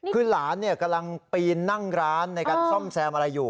คือหลานกำลังปีนนั่งร้านในการซ่อมแซมอะไรอยู่